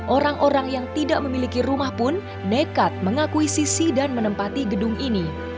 orang orang yang tidak memiliki rumah pun nekat mengakui sisi dan menempati gedung ini